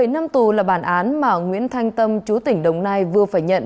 bảy năm tù là bản án mà nguyễn thanh tâm chú tỉnh đồng nai vừa phải nhận